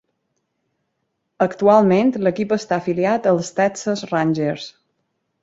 Actualment l'equip està afiliat als Texas Rangers.